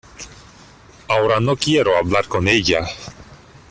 ahora no quiero hablar con ella.